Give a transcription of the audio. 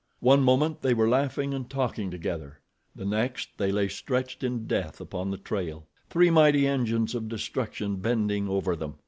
One moment they were laughing and talking together—the next they lay stretched in death upon the trail, three mighty engines of destruction bending over them.